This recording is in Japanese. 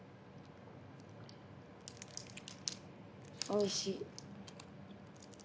おいしい。